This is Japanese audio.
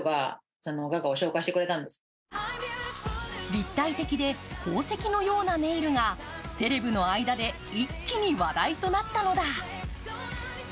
立体的で宝石のようなネイルがセレブの間で一気に話題となったのだ。